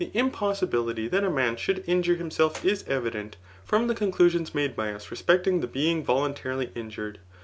ITRICS« 1^1 impossibilhy that a man should injure himself it evident from the conclusions made by us respecting the bdtfg ToluQtarily injured.